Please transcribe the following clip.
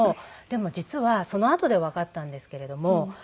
でも実はそのあとでわかったんですけれども。